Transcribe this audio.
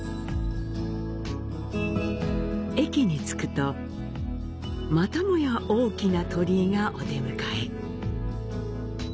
駅に着くと、またもや大きな鳥居がお出迎え。